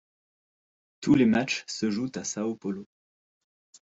Tous les matches se jouent à São Paulo.